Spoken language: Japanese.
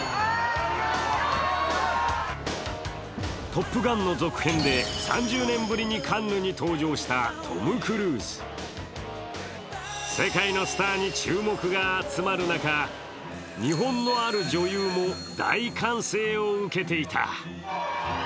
「トップガン」の続編で３０年ぶりにカンヌに登場したトム・クルーズ世界のスターに注目が集まる中、日本のある女優も大歓声を受けていた。